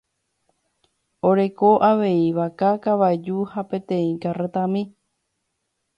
Oreko avei vaka, kavaju ha peteĩ karretami.